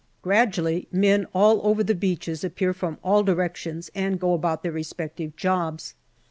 Gradually men all over the beaches appear from all directions and go about their respective jobs.